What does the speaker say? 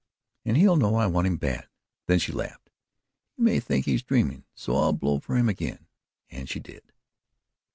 "And he'll know I want him bad." Then she laughed. "He may think he's dreaming, so I'll blow for him again." And she did.